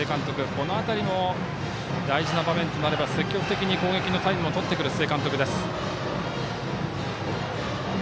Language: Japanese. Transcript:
この辺りも大事な場面ともなれば、積極的に攻撃のタイムをとってくる須江監督。